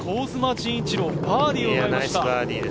陣一朗、バーディーを奪いました。